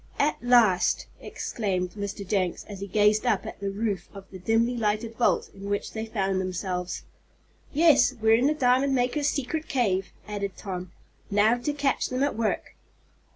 "At last!" exclaimed Mr. Jenks, as he gazed up at the roof of the dimly lighted vault in which they found themselves. "Yes, we're in the diamond makers' secret cave," added Tom. "Now to catch them at work!"